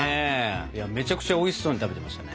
めちゃくちゃおいしそうに食べてましたね。